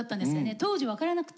当時分からなくて。